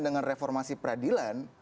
dengan reformasi peradilan